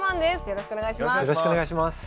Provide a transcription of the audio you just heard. よろしくお願いします。